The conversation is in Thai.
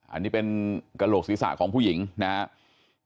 อันนี้เป็นกระโหลกศีรษะของผู้หญิงนะครับ